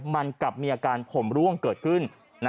มันกลับมีอาการผมร่วงเกิดขึ้น